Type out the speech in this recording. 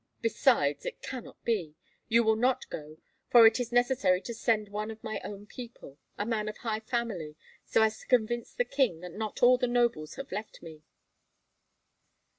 Besides, it cannot be! You will not go, for it is necessary to send one of my own people, a man of high family, so as to convince the king that not all the nobles have left me."